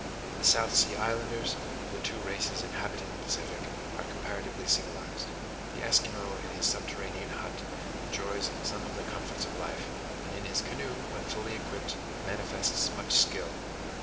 The South Sea Islanders, of the two races inhabiting the Pacific, are comparatively civilized. The Esquimau in his subterranean hut, enjoys some of the comforts of life, and in his canoe, when fully equipped, manifests much skill.